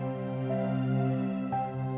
kakang mencintai dia kakang